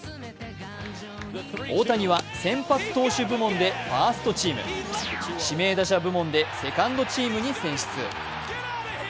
大谷は先発投手部門でファーストチーム、指名打者部門でセカンドチームに選出。